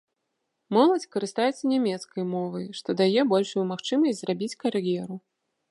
Моладзь карыстаецца нямецкай мовай, што дае большую магчымасць зрабіць кар'еру.